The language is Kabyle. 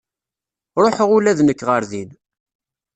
Ruḥeɣ ula d nekk ɣer din.